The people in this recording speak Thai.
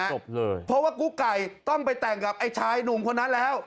จบเลยเพราะว่ากุ๊กไก่ต้องไปแต่งกับไอ้ชายหนุ่มคนนั้นแล้ว